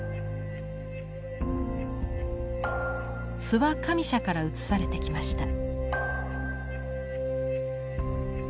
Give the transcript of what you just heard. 諏訪上社から移されてきました。